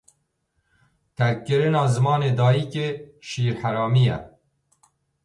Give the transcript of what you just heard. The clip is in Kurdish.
Terkkirina zimanê dayîkê, şîrheramî ye.